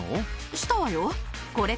したわよ。